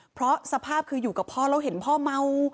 เพราะสภาพคืออยู่กับพ่อแล้วเห็นพ่อเมา